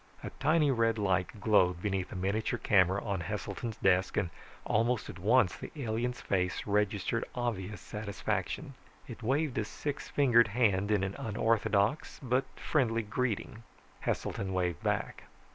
A tiny red light glowed beneath a miniature camera on Heselton's desk and almost at once the alien's face registered obvious satisfaction. It waved a six fingered hand in an unorthodox, but friendly, greeting. Heselton waved back.